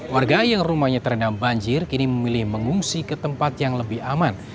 warga yang rumahnya terendam banjir kini memilih mengungsi ke tempat yang lebih aman